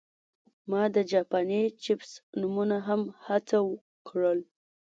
ما د جاپاني چپس نومونه هم هڅه کړل